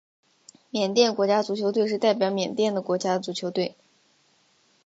缅甸国家足球队是代表缅甸的国家足球队。